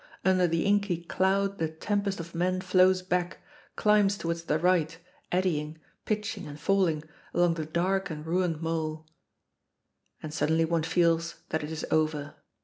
Under the inky cloud the tempest of men flows back, climbs towards the right, eddying, pitching and falling, along the dark and ruined mole. And suddenly one feels that it is over.